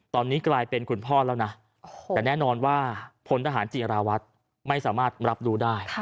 ตอนนี้กลายเป็นคุณพ่อแล้วนะแต่แน่นอนว่าพลทหารจีราวัตรไม่สามารถรับรู้ได้